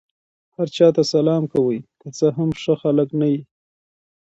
هر چا ته سلام کوئ! که څه هم ښه خلک نه يي.